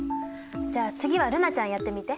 じゃあ次は瑠菜ちゃんやってみて。